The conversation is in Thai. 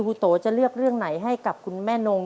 โตจะเลือกเรื่องไหนให้กับคุณแม่นง